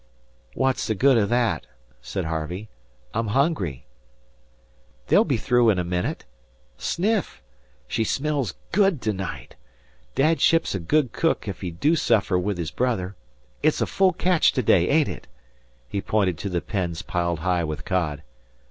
"What's the good of that?" said Harvey. "I'm hungry." "They'll be through in a minute. Suff! She smells good to night. Dad ships a good cook ef he do suffer with his brother. It's a full catch today, Aeneid it?" He pointed at the pens piled high with cod.